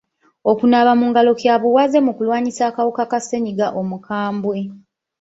Okunaaba mu ngalo kya buwaze mu kulwanyisa akawuka Ka ssenyiga omukambwe.